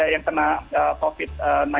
yang kena covid sembilan belas